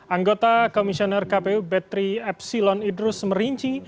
anggota komisioner kpu betri epsilon idrus merinci